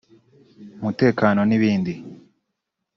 umutekano n’ibindi